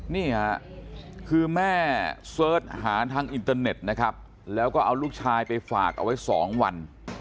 นี่ค่ะคือแม่เสิร์ชหาทางอินเตอร์เน็ตนะครับแล้วก็เอาลูกชายไปฝากเอาไว้๒วัน